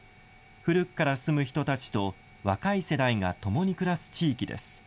古くから住む人たちと若い世代が共に暮らす地域です。